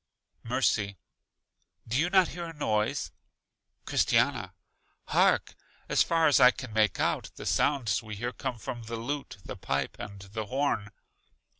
Mercy: Do you not hear a noise? Christiana: Hark! as far as I can make out, the sounds we hear come from the lute, the pipe, and the horn.